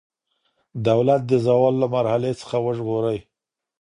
دولت د زوال له مرحلې څخه وژغورئ.